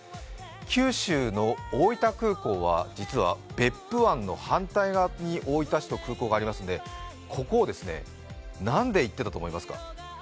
九州の大分空港は実は別府湾の反対側に大分市と空港がありますのでここを何で行ってたと思いますか？